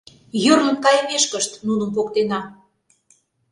Йӧрлын кайымешкышт нуным поктена.